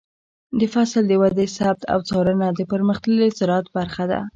د فصل د ودې ثبت او څارنه د پرمختللي زراعت برخه ده.